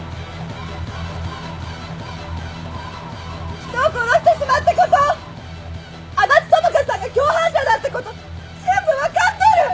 人を殺してしまったこと安達智花さんが共犯者だってこと全部分かってる！